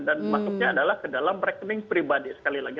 dan maksudnya adalah ke dalam rekening pribadi sekali lagi